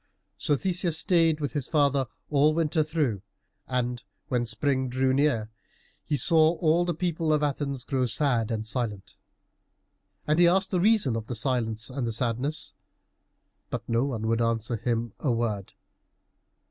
So Theseus stayed with his father all the winter through, and when spring drew near, he saw all the people of Athens grow sad and silent. And he asked the reason of the silence and the sadness, but no one would answer him a word.